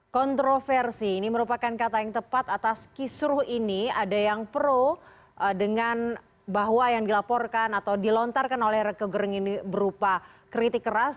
kontroversi ini merupakan kata yang tepat atas kisruh ini ada yang pro dengan bahwa yang dilaporkan atau dilontarkan oleh reke gering ini berupa kritik keras